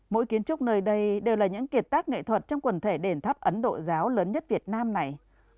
mỗi kiến trúc nơi đây đều là những kiệt tác nghệ thuật trong quần thể đền tháp ấn độ giáo lớn nhất việt nam này